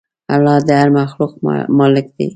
الله د هر مخلوق مالک دی.